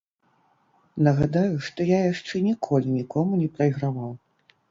Нагадаю, што я яшчэ ніколі нікому не прайграваў.